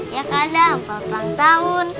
ya kadang empat ulang tahun